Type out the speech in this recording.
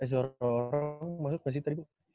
eh suara orang masuk gak sih tadi bu